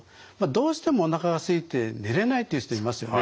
どうしてもおなかがすいて寝れないっていう人いますよね。